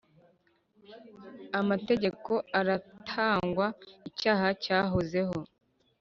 Amategeko ataratangwa icyaha cyahozeho